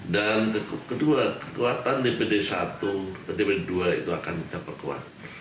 dan kedua kekuatan dpd i dpd ii itu akan kita perkuat